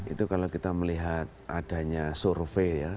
itu kalau kita melihat adanya survei ya